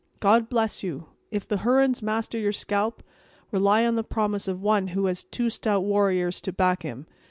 God bless you! if the Hurons master your scalp, rely on the promise of one who has two stout warriors to back him.